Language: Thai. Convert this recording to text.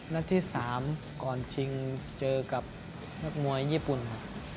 งานที่สามก่อนชิงเจอกับฮาคมวยญี่ปุ่นครับ